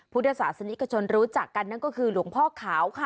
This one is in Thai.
พุทธศาสนิกชนรู้จักกันนั่นก็คือหลวงพ่อขาวค่ะ